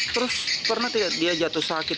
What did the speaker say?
terus pernah tidak dia jatuh sakit